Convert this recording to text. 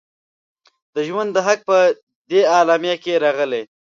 د ژوند حق په دې اعلامیه کې راغلی.